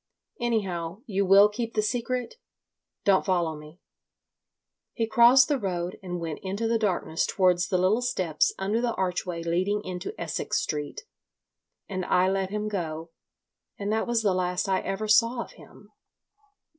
"Anyhow, you will keep the secret? .... Don't follow me." He crossed the road and went into the darkness towards the little steps under the archway leading into Essex Street, and I let him go. And that was the last I ever saw of him.